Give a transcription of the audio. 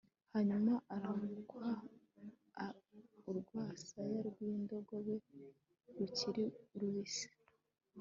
hanyuma arabukwa urwasaya rw'indogobe rukiri rubisi